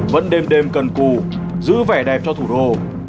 vẫn đêm đêm cần cù giữ vẻ đẹp cho thủ đô